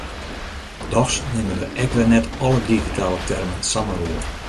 Dochs nimme we ek wer net alle digitale termen samar oer.